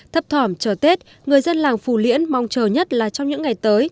thấp thỏm chờ tết người dân làng phù liễn mong chờ nhất là trong những ngày tới